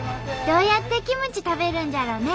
どうやってキムチ食べるんじゃろうね？